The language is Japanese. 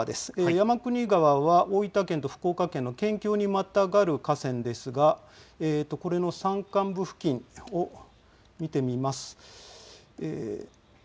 山国川は大分県と福岡県の県境にまたがる河川ですが、これの山間部付近を見てみます。